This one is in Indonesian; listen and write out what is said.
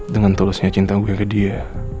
dengan tulusnya cinta gue ke dia